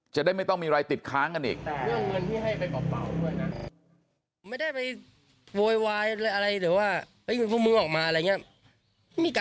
จะได้ไม่ต้องมีอะไรติดค้างกันอีก